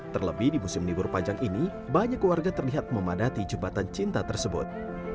terlebih di musim libur panjang ini banyak warga terlihat memadati jembatan cinta tersebut